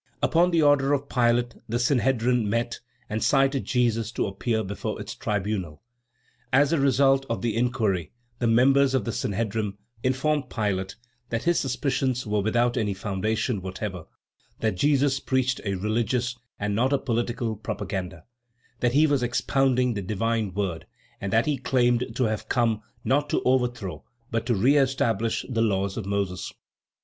Upon the order of Pilate the Sanhedrim met and cited Jesus to appear before its tribunal. As the result of the inquiry, the members of the Sanhedrim informed Pilate that his suspicions were without any foundation whatever; that Jesus preached a religious, and not a political, propaganda; that he was expounding the Divine word, and that he claimed to have come not to overthrow, but to reestablish the laws of Moses.